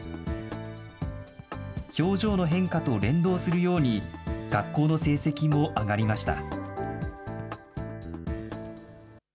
表情の変化と連動するように、学校の成績も上がりました。